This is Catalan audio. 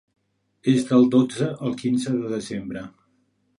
És del dotze al quinze de desembre.